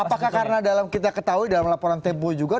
apakah karena dalam kita ketahui dalam laporan tempo juga